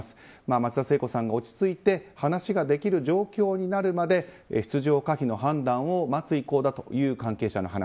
松田聖子さんが落ち着いて話ができる状況になるまで出場可否の判断を待つ意向だという関係者の話。